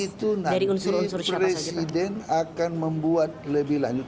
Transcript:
itu nanti presiden akan membuat lebih lanjut